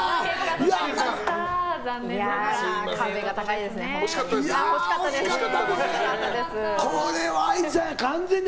壁が高いですね、本当に。